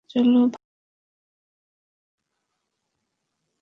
চলো ভাগি এখান থেকে।